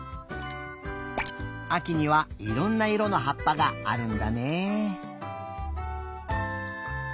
あきにはいろんないろのはっぱがあるんだね。